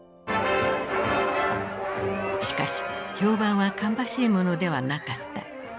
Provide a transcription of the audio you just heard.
しかし評判は芳しいものではなかった。